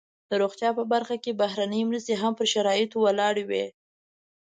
د روغتیا په برخه کې بهرنۍ مرستې هم پر شرایطو ولاړې وي.